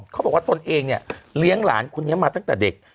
ตนเองเนี่ยเลี้ยงหลานคนนี้มาตั้งแต่เด็ก